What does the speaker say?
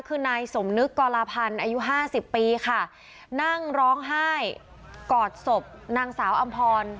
คือนายสมนึกกรพันธ์อายุห้าสิบปีค่ะนั่งร้องไห้กอดศพนางสาวอำพร